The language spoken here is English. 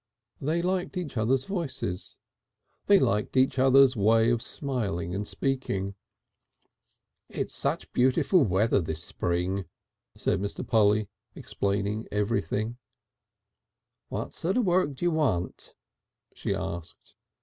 They liked each other's voices, they liked each other's way of smiling and speaking. "It's such beautiful weather this spring," said Mr. Polly, explaining everything. "What sort of work do you want?" she asked.